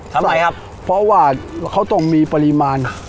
เท่าไหร่ครับเพราะว่าเขาต้องมีปริมาณ